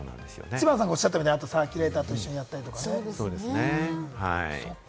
知花さんがおっしゃったようにサーキュレーターを一緒にやるとかね。